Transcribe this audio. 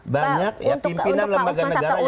banyak ya pimpinan lembaga negara yang masuk penjara